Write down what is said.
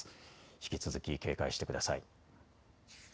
引き続き警戒してください。